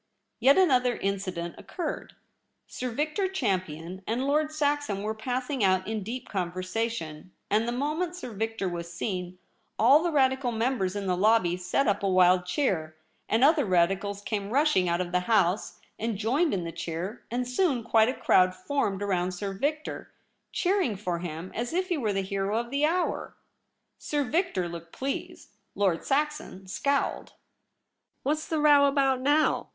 Yet another Incident occurred. Sir Victor Champion and Lord Saxon were passing out in deep conversation, and the moment Sir Victor was seen, all the Radical members in the lobby set up a wild cheer ; and other Radicals came rushing out of the House, and joined in the cheer, and soon quite a crowd formed around Sir Victor, cheering for him as if he were the hero of the hour. Sir Victor looked pleased ; Lord Saxon scowled. * What's the row about now